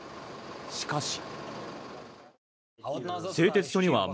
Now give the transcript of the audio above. しかし。